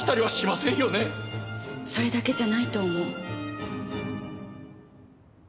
それだけじゃないと思う。